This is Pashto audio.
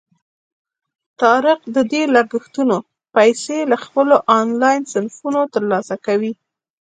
طارق د دې لګښتونو پیسې له خپلو آنلاین صنفونو ترلاسه کوي.